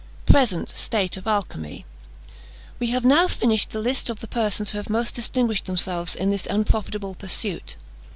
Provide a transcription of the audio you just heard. PRESENT STATE OF ALCHYMY. We have now finished the list of the persons who have most distinguished themselves in this unprofitable pursuit.